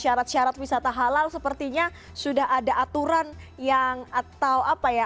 syarat syarat wisata halal sepertinya sudah ada aturan yang atau apa ya